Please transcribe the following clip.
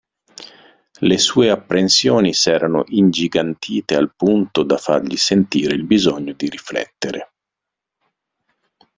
Le sue apprensioni s'erano ingigantite al punto, da fargli sentire il bisogno di riflettere.